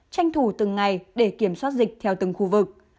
tranh thủ từng ngày để kiểm soát dịch theo từng khu vực